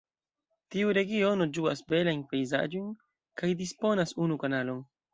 Tiu regiono ĝuas belajn pejzaĝojn kaj disponas unu kanalon.